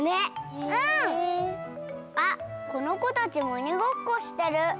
あっこの子たちもおにごっこしてる。